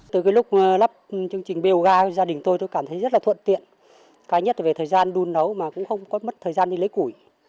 từ cái lúc lắp chương trình bot gia đình tôi tôi cảm thấy rất là thuận tiện cái nhất là về thời gian đun nấu mà cũng không có mất thời gian đi lấy củi